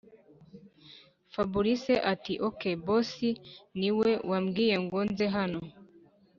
fabric ati”okey boss niwe wabwiye ngo nze habo